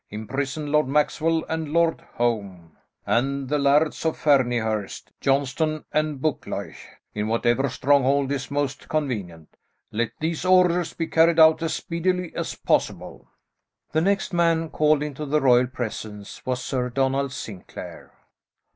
Imprison Lord Maxwell and Lord Home and the Lairds of Fairniherst, Johnston and Buccleuch, in whatever stronghold is most convenient. Let these orders be carried out as speedily as possible." The next man called into the royal presence was Sir Donald Sinclair.